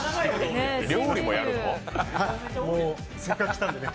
もうせっかく来たんでね。